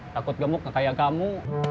takut gemuk kayak kamu